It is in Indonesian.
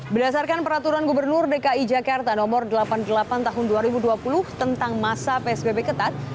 berdasarkan peraturan gubernur dki jakarta no delapan puluh delapan tahun dua ribu dua puluh tentang masa psbb ketat